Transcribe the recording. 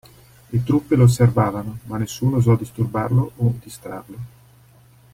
Le truppe lo osservavano, ma nessuno osò disturbarlo o distrarlo.